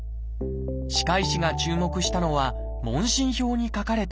歯科医師が注目したのは問診票に書かれた病名でした。